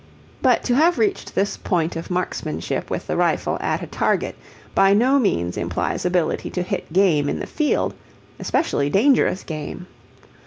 But to have reached this point of marksmanship with the rifle at a target by no means implies ability to hit game in the field, especially dangerous game.